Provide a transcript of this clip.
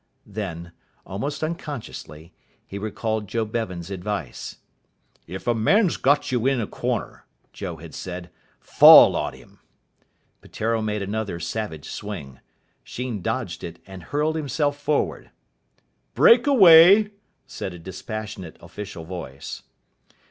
Then, almost unconsciously, he recalled Joe Bevan's advice. "If a man's got you in a corner," Joe had said, "fall on him." Peteiro made another savage swing. Sheen dodged it and hurled himself forward. "Break away," said a dispassionate official voice.